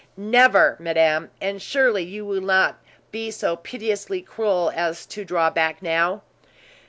"Never, madame! And surely you will not be so pitilessly cruel as to draw back, now?"